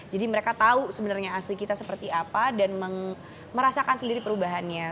jadi mereka tau sebenarnya asli kita seperti apa dan merasakan sendiri perubahannya